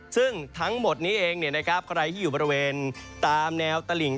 ซึ่งทั้งหมดนี้เองเนี่ยนะครับใครที่อยู่บริเวณตามแนวตะหลิ่ง